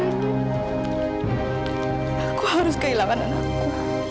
aku harus kehilangan anakku